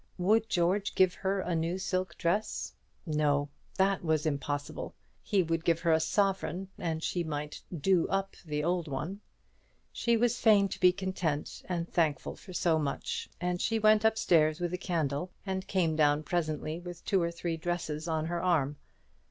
Would George give her a new silk dress? No; that was impossible. He would give her a sovereign, and she might "do up" the old one. She was fain to be content and thankful for so much; and she went up stairs with a candle, and came down presently with two or three dresses on her arm.